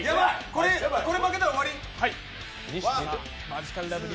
これ負けたら終わり！？